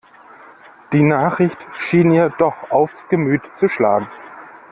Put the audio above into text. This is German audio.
Die Nachricht schien ihr doch aufs Gemüt zu schlagen.